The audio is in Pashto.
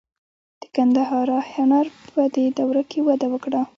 د ګندهارا هنر په دې دوره کې وده وکړه.